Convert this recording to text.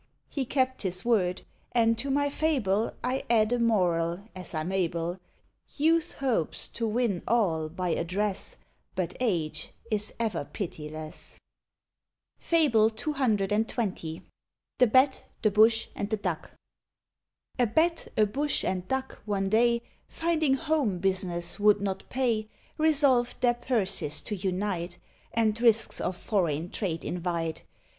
He kept his word; and to my fable I add a moral, as I'm able: Youth hopes to win all by address; But age is ever pitiless. FABLE CCXX. THE BAT, THE BUSH, AND THE DUCK. A Bat, a Bush, and Duck, one day, Finding home business would not pay, Resolved their purses to unite, And risks of foreign trade invite.